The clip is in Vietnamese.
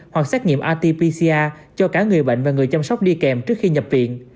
hoặc xét nghiệm rt pcca cho cả người bệnh và người chăm sóc đi kèm trước khi nhập viện